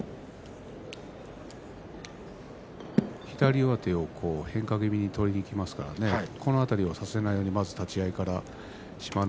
左上手を変化気味に取りにいきますからその辺り、させないように立ち合いから志摩ノ